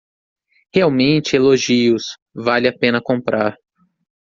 Realmente elogios, vale a pena comprar